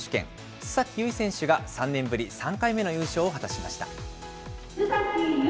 須崎優衣選手が３年ぶり３回目の優勝を果たしました。